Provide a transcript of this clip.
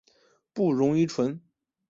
不溶于醇。